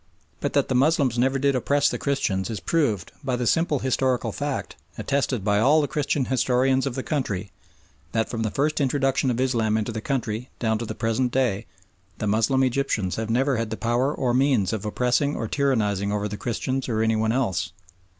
But that the Moslems never did oppress the Christians is proved by the simple historical fact, attested by all the Christian historians of the country, that, from the first introduction of Islam into the country down to the present day, the Moslem Egyptians have never had the power or means of oppressing or tyrannising over the Christians or any one else.